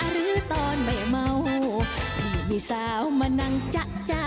หรือตอนไม่เมามีสาวมานั่งจ๊ะ